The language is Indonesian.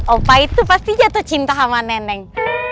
opa itu pasti jatuh cinta sama neneng